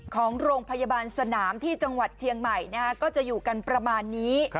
ของโรงพยาบาลสนามที่จังหวัดเชียงใหม่ก็จะอยู่กันประมาณนี้